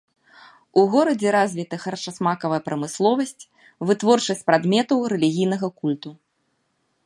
У горадзе развіты харчасмакавая прамысловасць, вытворчасць прадметаў рэлігійнага культу.